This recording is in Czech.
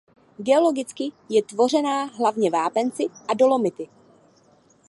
Geologicky je tvořená hlavně vápenci a dolomity.